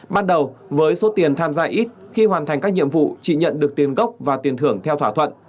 ban đầu với số tiền tham gia ít khi hoàn thành các nhiệm vụ chị nhận được tiền gốc và tiền thưởng theo thỏa thuận